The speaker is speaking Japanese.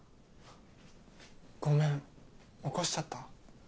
ごめん起こしちゃった？